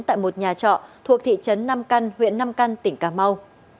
tại một nhà trọ thuộc thị trấn nam căn huyện nam căn tỉnh cà mau